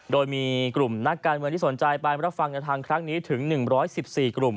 โดยมีกลุ่มนักการเมืองที่สนใจไปรับฟังในทางครั้งนี้ถึง๑๑๔กลุ่ม